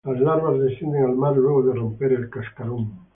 Las larvas descienden al mar luego de romper el cascarón.